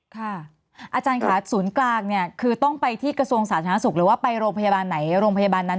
ค่ะอาจารย์ค่ะศูนย์กลางเนี่ยคือต้องไปที่กระทรวงสาธารณสุขหรือว่าไปโรงพยาบาลไหน